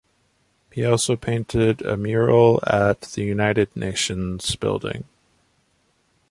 He also painted a mural at the United Nations building.